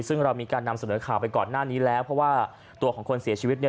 ซึ่งเรามีการนำเสนอข่าวไปก่อนหน้านี้แล้วเพราะว่าตัวของคนเสียชีวิตเนี่ย